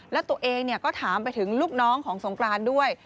แล้วตัวเองก็ถามไปถึงลูกน้องของสงกรานด้วย